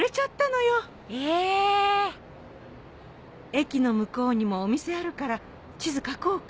駅の向こうにもお店あるから地図描こうか？